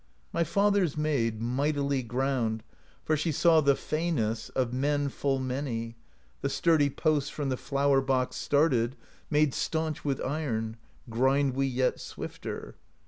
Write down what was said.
'My father's maid Mightily ground For she saw the feyness Of men full many; The sturdy posts From the flour box started, Made staunch with iron. Grind we yet swifter.